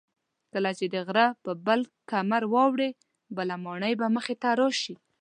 کله چې د غره پر بل کمر واوړې بله ماڼۍ به مخې ته راشي.